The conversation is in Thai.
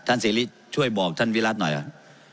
ท่านเสียรุ่นช่วยบอกท่านวิรัติหน่อยครับ